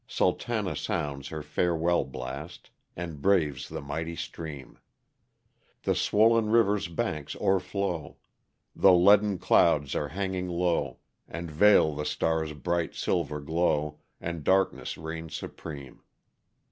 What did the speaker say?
Sultana sounds her farewell blast. And braves the mighty stream ; The swollen river's banks o'erflow. The leaden clouds are hanging low And veil the stars' bright silver glow. And darkness reigns supreme.